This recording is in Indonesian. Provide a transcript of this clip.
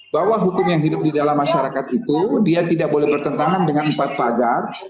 bahwa hukum yang hidup di dalam masyarakat itu dia tidak boleh bertentangan dengan empat pagar